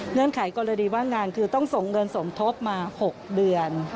ไขกรณีว่างงานคือต้องส่งเงินสมทบมา๖เดือน